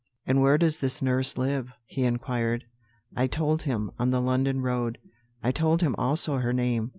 "'And where does this nurse live?' he inquired. "I told him, on the London road; I told him also her name.